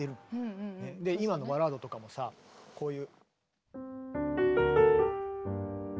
今の「バラード」とかもさこういう。